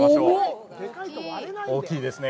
大きいですね。